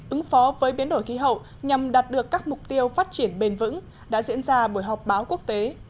ứng phó với biến đổi khí hậu nhằm đạt được các mục tiêu phát triển bền vững đã diễn ra buổi họp báo quốc tế